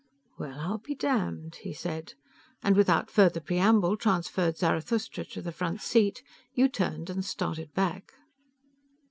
"Well I'll be damned!" he said, and without further preamble transferred Zarathustra to the front seat, U turned, and started back.